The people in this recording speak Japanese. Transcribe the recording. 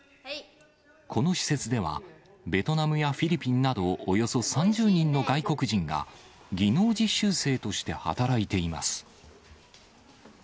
この施設では、ベトナムやフィリピンなど、およそ３０人の外国人が、技能実習生として働いています。